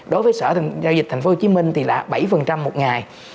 đối với sở giao dịch tp hcm thì là bảy một ngày